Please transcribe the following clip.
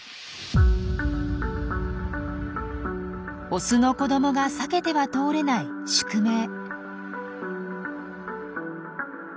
オスの子どもが避けては通れない宿命。